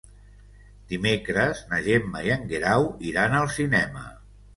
Dimecres na Gemma i en Guerau iran al cinema.